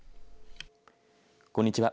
こんにちは。